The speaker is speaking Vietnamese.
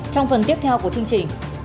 trong phần tiếp theo của chương trình